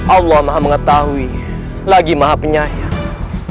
allah maha mengetahui lagi maha penyayang